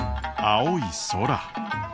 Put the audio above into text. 青い空。